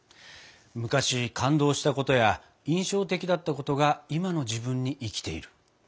昔感動したことや印象的だったことが今の自分に生きている。